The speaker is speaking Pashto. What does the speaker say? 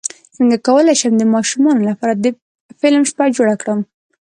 څنګه کولی شم د ماشومانو لپاره د فلم شپه جوړه کړم